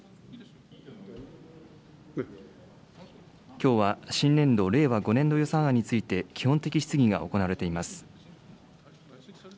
きょうは新年度・令和５年度予算案について、基本的質疑が行われています。